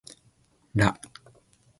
ら